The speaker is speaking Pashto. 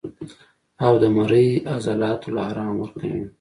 او د مرۍ عضلاتو له ارام ورکوي